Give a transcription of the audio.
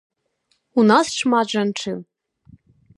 У нас шмат жанчын.